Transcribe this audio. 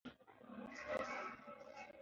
وزیرفتح خان د خپلو همکارانو احترام درلود.